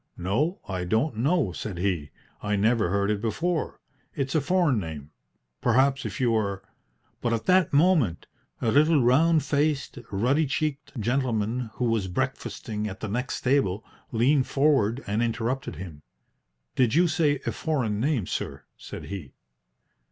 "No, I don't know," said he. "I never heard it before. It's a foreign name. Perhaps if you were " But at that moment a little round faced, ruddy cheeked gentleman, who was breakfasting at the next table, leaned forward and interrupted him. "Did you say a foreign name, sir?" said he.